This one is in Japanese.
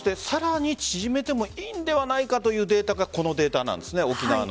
さらに縮めてもいいのではないかというデータがこのデータなんです。